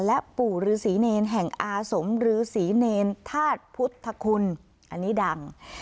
และปู่ฤษีเนรแห่งอาสมหรือศรีเนรธาตุพุทธคุณอันนี้ดัง